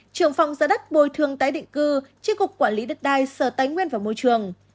trưởng phong giá đất bồi thường tại định cư chiếc cục quản lý đất đai sở tài nguyên và môi trường